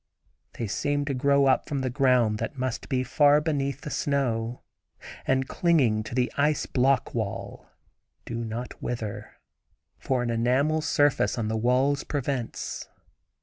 They seem to grow up from the ground that must be far beneath the snow, and clinging to the ice block wall, do not wither, for an enamel surface on the walls prevents.